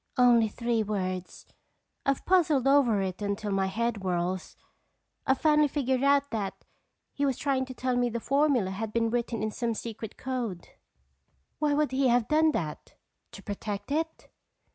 "Only three words. I've puzzled over it until my head whirls. I've finally figured out that he was trying to tell me the formula had been written in some secret code." "Why would he have done that? To protect it?"